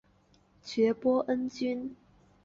爵波恩君。